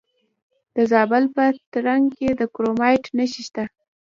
د زابل په ترنک کې د کرومایټ نښې شته.